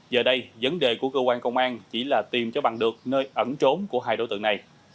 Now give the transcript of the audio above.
giờ đây vấn đề của cơ quan công an chỉ là tìm cho bằng được nơi ẩn trốn của hai đối tượng này